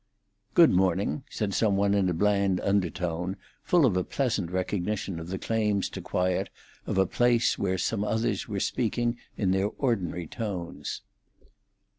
"Good morning!" said some one in a bland undertone full of a pleasant recognition of the claims to quiet of a place where some others were speaking in their ordinary tones.